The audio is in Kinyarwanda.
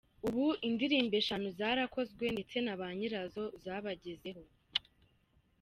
Ubu indirimbo eshanu zarakozwe ndetse n’abanyirazo zabagezeho.